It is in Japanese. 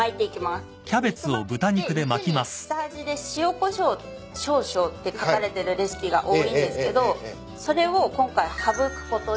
肉巻きって肉に下味で塩こしょう少々って書かれてるレシピが多いんですけどそれを今回省くことで。